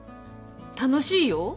楽しいよ？